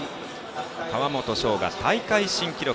川元奨が大会新記録。